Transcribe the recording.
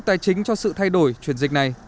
tài chính cho sự thay đổi chuyển dịch này